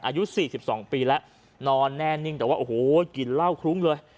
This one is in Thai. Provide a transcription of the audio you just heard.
อายุ๔๒ปีแล้วนอนแน่นิ่งแต่ว่าโอ้โหกลิ่นเหล้าคลุ้งเลย